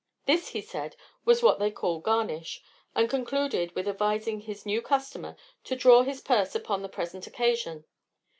This, he said, was what they call garnish, and concluded with advising his new customer to draw his purse upon the present occasion.